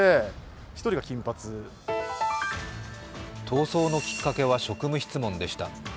逃走のきっかけは職務質問でした。